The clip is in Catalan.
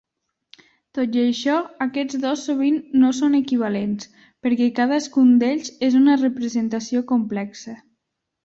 Tot i això, aquests dos sovint no són equivalents, perquè cadascun d'ells és una representació complexa.